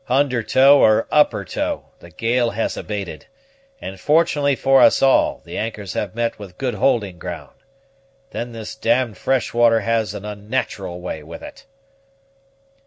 Under tow or upper tow, the gale has abated; and, fortunately for us all, the anchors have met with good holding ground. Then this d d fresh water has an unnatural way with it."